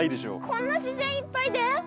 こんな自然いっぱいで？